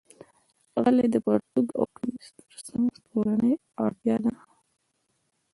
غلۍ د پرتوګ او کمیس تر څنګ کورنۍ اړتیا ده.